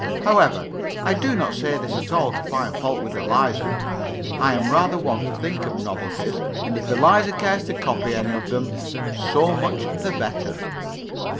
However, I do not say this at all to find fault with Eliza. I am rather one to think of novelties, and if Eliza cares to copy any of them, so much the better.